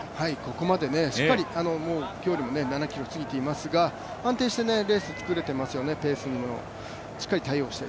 ここまで、しっかりともう距離も７ｋｍ過ぎていますが安定してレースを作れていますよね、ペースもしっかり対応して。